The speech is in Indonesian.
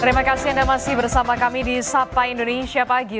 terima kasih anda masih bersama kami di sapa indonesia pagi